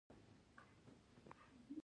ایا ستاسو کړکۍ به خلاصه نه وي؟